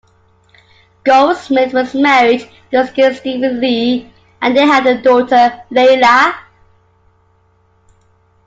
Goldsmith was married to skier Steven Lee and they had a daughter Layla.